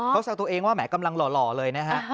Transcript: เขาแซวตัวเองว่าแหมกำลังหล่อเลยนะฮะ